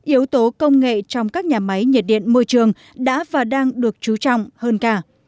yếu tố công nghệ trong các nhà máy nhiệt điện môi trường đã và đang được chú trọng hơn cả